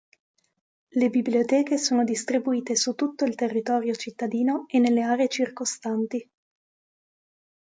Le biblioteche sono distribuite su tutto il territorio cittadino e nelle aree circostanti.